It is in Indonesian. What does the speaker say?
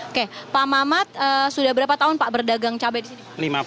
oke pak mamat sudah berapa tahun pak berdagang cabai di sini